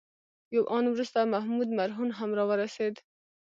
یو آن وروسته محمود مرهون هم راورسېد.